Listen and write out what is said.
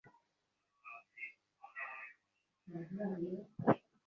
ওঁ শান্তিঃ, শান্তিঃ, শান্তিঃ।